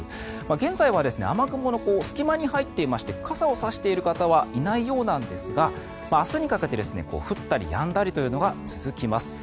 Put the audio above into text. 現在は雨雲の隙間に入っていまして傘を差している方はいないようなんですが明日にかけて降ったりやんだりというのが続きます。